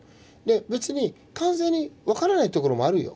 別に完全に分からないところもあるよ。